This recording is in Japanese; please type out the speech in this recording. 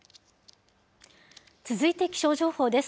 続いて気象情報です。